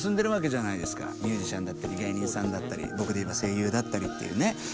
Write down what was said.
ミュージシャンだったり芸人さんだったり僕で言えば声優だったりっていうね。